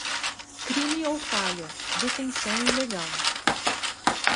Crime ou falha: detenção ilegal.